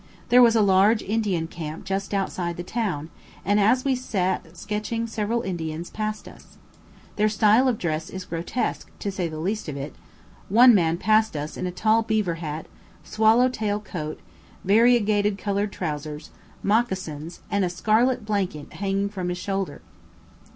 There was a large Indian camp just outside the town, and as we sat sketching several Indians passed us. Their style of dress is grotesque, to say the least of it; one man passed us in a tall beaver hat, swallow tail coat, variegated coloured trousers, mocassins, and a scarlet blanket hanging from his shoulder.